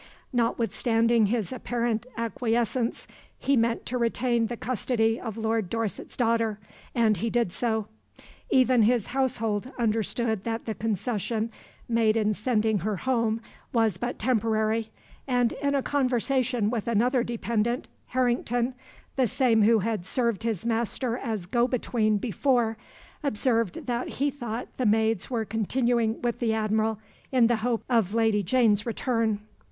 Notwithstanding his apparent acquiescence, he meant to retain the custody of Lord Dorset's daughter, and he did so. Even his household understood that the concession made in sending her home was but temporary; and, in a conversation with another dependant, Harrington the same who had served his master as go between before observed that he thought the maids were continuing with the Admiral in the hope of Lady Jane's return.